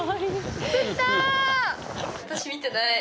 私見てない。